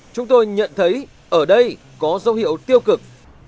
chúng tôi nhận thấy ở đây có dấu hiệu tiêu cực